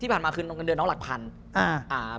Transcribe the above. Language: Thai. ที่ผ่านมาคือเงินเดือนน้องหลักพัน